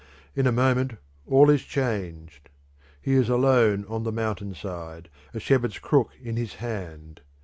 In a moment all is changed. He is alone on the mountain side, a shepherd's crook in his hand.